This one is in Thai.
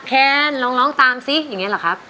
แคนลองร้องตามซิอย่างนี้เหรอครับ